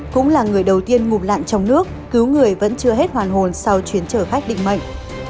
cũng là người đầu tiên ngủ lạn trong nước cứu người vẫn chưa hết hoàn hồn sau chuyến chở khách định mệnh